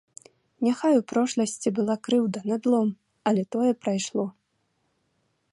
Няхай у прошласці была крыўда, надлом, але тое прайшло.